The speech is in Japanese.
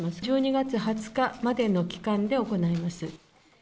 １２月２０日までの期間で行います。